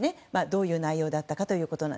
どういう内容だったか。